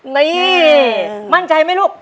นี่มั่นใจไหมลูก